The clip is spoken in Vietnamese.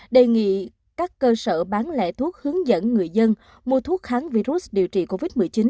đề nghị các cơ sở bán lẻ thuốc hướng dẫn người dân mua thuốc kháng virus điều trị covid một mươi chín